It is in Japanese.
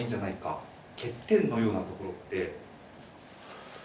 欠点のようなところって？